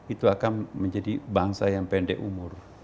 itu akan menjadi bangsa yang pendek umur